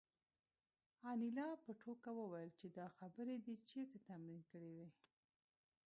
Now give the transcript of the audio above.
انیلا په ټوکه وویل چې دا خبرې دې چېرته تمرین کړې وې